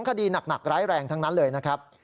คดีหนักร้ายแรงทั้งนั้นเลยนะครับ